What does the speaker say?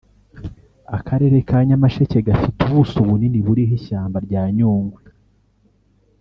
Akarere ka Nyamasheke gafite ubuso bunini buriho ishyamba rya Nyungwe